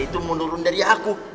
itu menurun dari aku